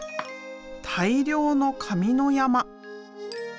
大量の紙の山。